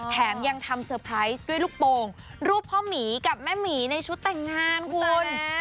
แถมยังทำเซอร์ไพรส์ด้วยลูกโป่งรูปพ่อหมีกับแม่หมีในชุดแต่งงานคุณ